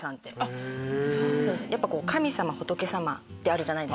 神様仏様ってあるじゃないですか。